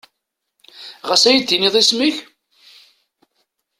Ɣas ad yi-d-tiniḍ isem-ik?